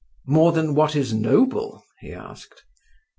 "More than what is noble?" he asked.